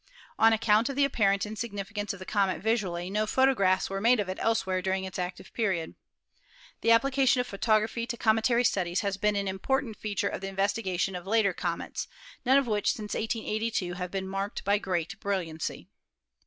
On account of the apparent insignificance of the comet visually, no photographs were made of it elsewhere during its active period. The application of photography to cometary studies has been an important feature of the investigation of later comets, none of which since 1882 have been marked by great brilliancy.